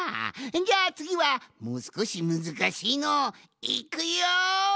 じゃあつぎはもうすこしむずかしいのをいくよん！